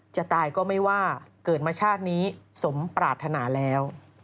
จะตายก็ไม่ว่าเกิดมาชาตินี้สมปรารถนาแล้ว